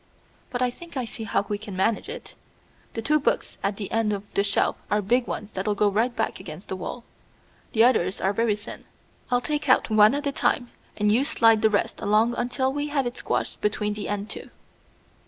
But I think I see how we can manage it. The two books at the end of the shelf are big ones that go right back against the wall. The others are very thin. I'll take out one at a time, and you slide the rest along until we have it squashed between the end two."